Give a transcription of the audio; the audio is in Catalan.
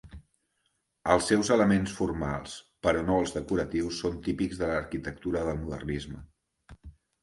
Els seus elements formals, però no els decoratius, són típics de l'arquitectura del modernisme.